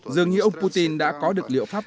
dường như ông putin đã có được liệu pháp